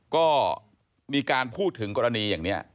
ก็มีการพูดถึงกรณีอย่างนี้